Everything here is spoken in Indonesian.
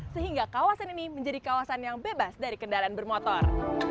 sehingga kawasan ini menjadi kawasan yang bebas dari kendaraan bermotor